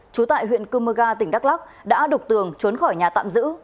trú tại huyện cư mơ ga tỉnh đắk lắc đã đục tường trốn khỏi nhà tạm giữ